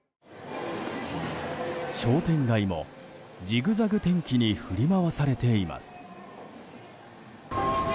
商店街もジグザグ天気に振り回されています。